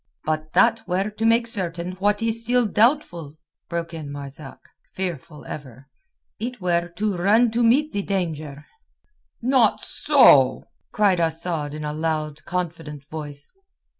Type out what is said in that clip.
"But that were to make certain what is still doubtful," broke in Marzak, fearful ever. "It were to run to meet the danger." "Not so!" cried Asad in a loud, confident voice.